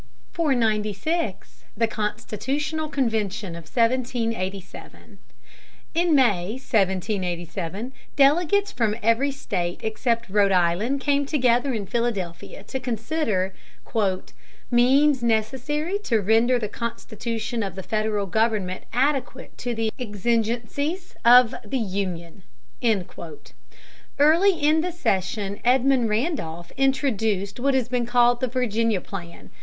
496. THE CONSTITUTIONAL CONVENTION OF 1787. In May, 1787, delegates from every state except Rhode Island came together in Philadelphia to consider "means necessary to render the Constitution of the Federal government adequate to the exigencies of the Union." Early in the session Edmund Randolph introduced what has been called the Virginia plan.